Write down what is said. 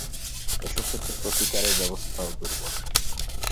এসব ক্ষেত্রে প্রতিকারের ব্যবস্থাও দুর্বল।